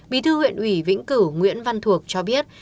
bí thư huyện ủy vĩnh cửu nguyễn văn thuộc cho biết